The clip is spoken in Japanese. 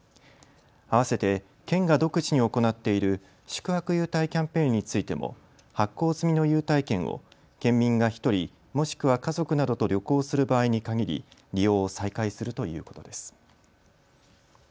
あわせて県が独自に行っている宿泊優待キャンペーンについても発行済みの優待券を県民が１人、もしくは家族などと旅行する場合に限り利用を再開するということです。